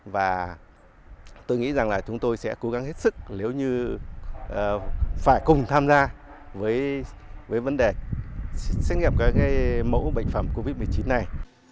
và tôi nghĩ rằng là chúng tôi sẽ cố gắng hết sức nếu như phải cùng tham gia với vấn đề xét nghiệm các mẫu bệnh phẩm covid một mươi chín này